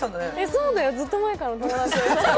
そうだよ、ずっと前からお友達。